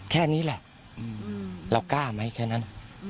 แค่นี้แหละเรากล้าไหมแค่นั้น